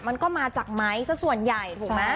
มันก็มาจากไม้สักส่วนใหญ่ถูกไหม